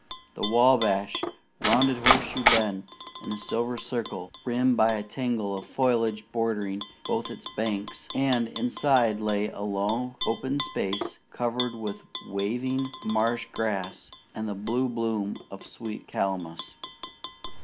The Wabash rounded Horseshoe Bend in a silver circle, rimmed by a tangle of foliage bordering both its banks; and inside lay a low open space covered with waving marsh grass and the blue bloom of sweet calamus.